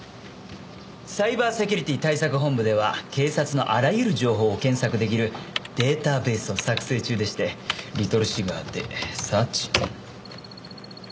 サイバーセキュリティ対策本部では警察のあらゆる情報を検索出来るデータベースを作成中でして「リトルシガー」でサーチオン！